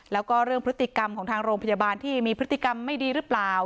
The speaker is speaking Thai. แล้วก็เรื่องพฤติกรรมของทางโรงพยาบาลที่มีพฤติกรรมไม่ดีหรือเปล่า